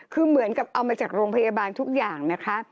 คือเหมือนกับเอามาจากโรงพยาบาลทุกอย่างนะคะ